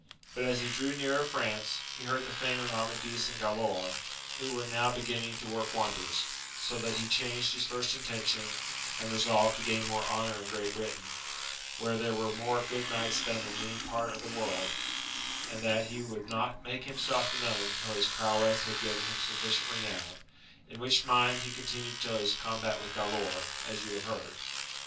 But as he drew nearer France, he heard the fame of Amadis and Galaor, who were now beginning to work wonders, so that he changed his first intention, and resolved to gain more honour in Great Britain, where there were more good knights than in any part of the world, and that he would not make himself known till his prowess had given him sufficient renown ; in which mind he con tinued till his combat with Galaor, as you have heard.